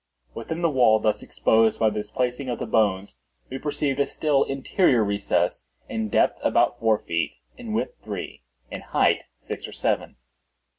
Within the wall thus exposed by the displacing of the bones, we perceived a still interior recess, in depth about four feet, in width three, in height six or seven.